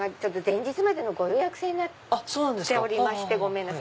前日までのご予約制になっておりまして。